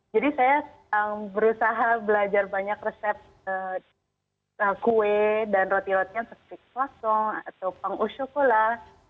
jadi saya berusaha belajar banyak resep kue dan roti rotian seperti klasong atau panggung coklat